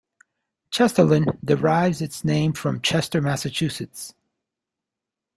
Chesterland derives its name from Chester, Massachusetts.